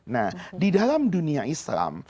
nah di dalam dunia islam